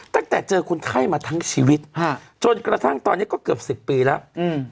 ตั้งแต่เจอคนไข้มาทั้งชีวิตฮะจนกระทั่งตอนเนี้ยก็เกือบสิบปีแล้วอืม